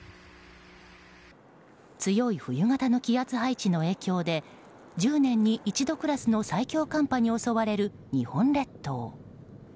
強い冬型の気圧配置の影響で１０年に一度クラスの最強寒波に襲われる日本列島。